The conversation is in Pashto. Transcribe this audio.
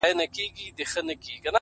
o دغه د کرکي او نفرت کليمه،